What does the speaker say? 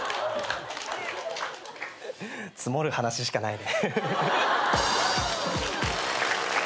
積もる話しかないね。